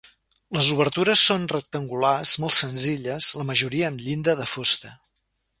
Les obertures són rectangulars, molt senzilles, la majoria amb llinda de fusta.